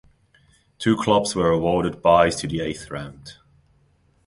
Two clubs were awarded byes to the eighth round.